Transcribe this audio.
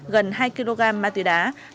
gần hai kg ma túy đá